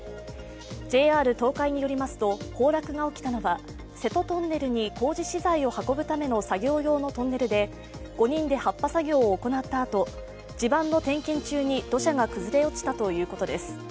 ＪＲ東海によりますと、崩落が起きたのは瀬戸トンネルに工事資材を運ぶための作業用のトンネルで５人で発破作業を行ったあと、地盤の点検中に土砂が崩れ落ちたということです。